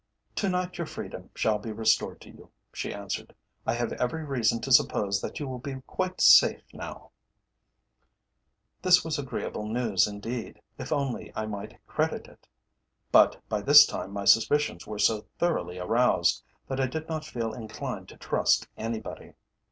"To night your freedom shall be restored to you," she answered. "I have every reason to suppose that you will be quite safe now." This was agreeable news indeed, if only I might credit it. But by this time my suspicions were so thoroughly aroused, that I did not feel inclined to trust anybody.